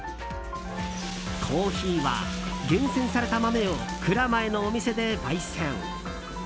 コーヒーは、厳選された豆を蔵前のお店で焙煎。